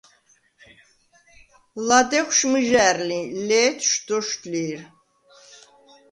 ლადეღშუ̂ მჷჟა̄̈რ ლი, ლე̄თშუ̂ – დოშდუ̂ლი̄რ.